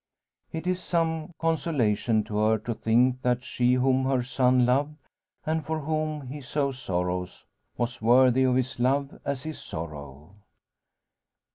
It is some consolation to her to think that she whom her son loved, and for whom he so sorrows, was worthy of his love as his sorrow.